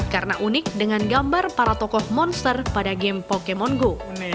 karena unik dengan gambar para tokoh monster pada game pokemon go